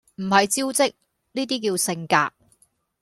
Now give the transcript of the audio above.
唔係招積，呢啲叫性格